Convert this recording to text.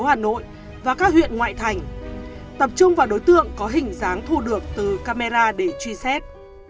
hà nội và các huyện ngoại thành tập trung vào đối tượng có hình dáng thu được từ camera để truy xét